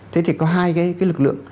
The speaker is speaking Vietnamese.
thế thì có hai cái lực lượng